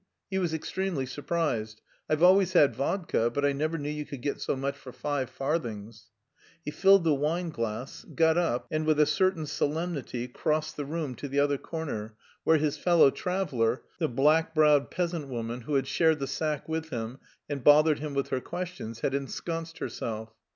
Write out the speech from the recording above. He was extremely surprised. "I've always had vodka but I never knew you could get so much for five farthings." He filled the wineglass, got up and with a certain solemnity crossed the room to the other corner where his fellow traveller, the black browed peasant woman, who had shared the sack with him and bothered him with her questions, had ensconced herself.